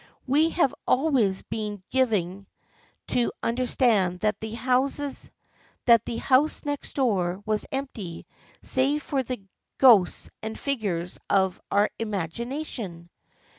We have always been given to understand that the house next door was empty, save for the ghosts and figures of our imagination."